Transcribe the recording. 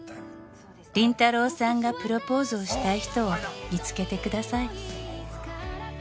「林太郎さんがプロポーズをしたい人を見つけてください」